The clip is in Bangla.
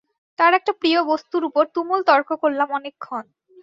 তার একটা প্রিয় বস্তুর ওপর তুমুল তর্ক করলাম অনেকক্ষণ।